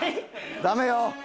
ダメよ。